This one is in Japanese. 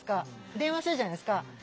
電話するじゃないですか。